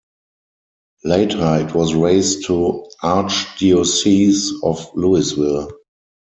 Later it was raised to Archdiocese of Louisville.